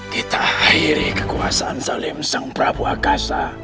kita akhiri kekuasaan salim sang prabu akasa